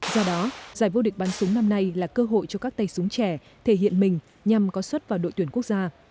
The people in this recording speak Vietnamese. do đó giải vô địch bắn súng năm nay là cơ hội cho các tay súng trẻ thể hiện mình nhằm có xuất vào đội tuyển quốc gia